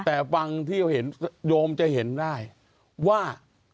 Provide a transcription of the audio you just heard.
แต่ฟังที่โยมจะเห็นได้ว่า